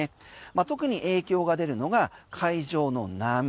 特に影響が出るのが海上の波。